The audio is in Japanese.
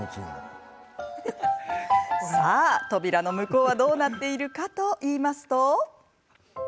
さあ、扉の向こうはどうなっているかといいますと。